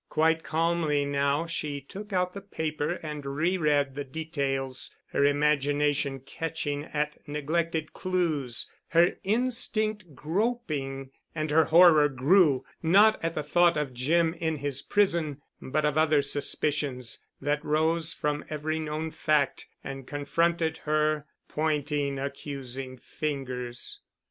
Quite calmly now she took out the paper and re read the details, her imagination catching at neglected clues, her instinct groping, and her horror grew—not at the thought of Jim in his prison, but of other suspicions that rose from every known fact and confronted her—pointing accusing fingers.